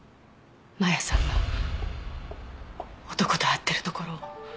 真弥さんが男と会ってるところを。